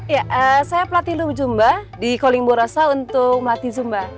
ya saya pelatih loe jumba di kuling borosa untuk melatih jumba